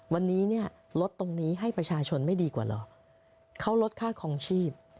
วันนี้เนี่ยลดตรงนี้ให้ประชาชนไม่ดีกว่าเหรอเขาลดค่าคลองชีพ